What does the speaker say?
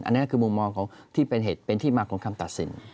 อันนี้คือมุมมองของที่เป็นเหตุเป็นที่มาของคำตัดสิน